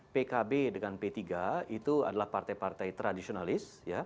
pkb dengan p tiga itu adalah partai partai tradisionalis